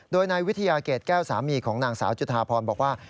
โดยนายวิทยาเกรดแก้วสามีของนางสาวจุธาพรบอกว่า